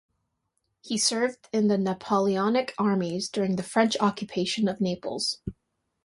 He served in the Napoleonic armies during the French occupation of Naples.